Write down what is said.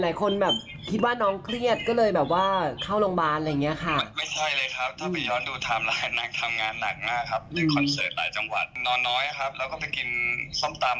หลายคนแบบคิดว่าน้องเครียดก็เลยแบบว่าเข้าโรงพยาบาลอะไรอย่างนี้ค่ะ